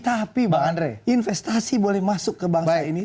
tapi investasi boleh masuk ke bangsa ini